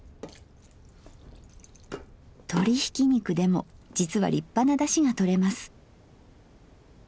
鶏ひき肉でも実は立派なだしがとれます。